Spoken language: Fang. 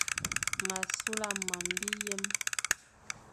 M a sula mam, biyem,